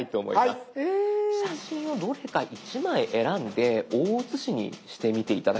写真をどれか１枚選んで大写しにしてみて頂けるでしょうか？